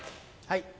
はい。